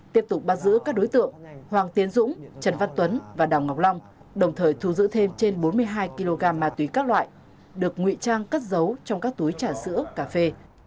tiếp tục bắt giữ các đối tượng hoàng tiến dũng trần văn tuấn và đào ngọc long đồng thời thu giữ thêm trên bốn mươi hai kg ma túy các loại được nguy trang cất giấu trong các túi trà sữa cà phê